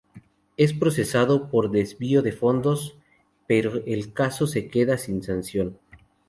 Es procesado por desvío de fondos, pero el caso queda sin sanción.